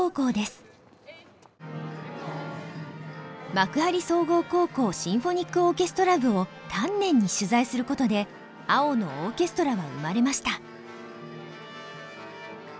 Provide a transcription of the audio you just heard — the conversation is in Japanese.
幕張総合高校シンフォニックオーケストラ部を丹念に取材することで「青のオーケストラ」は生まれました。